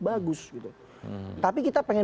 bagus tapi kita pengen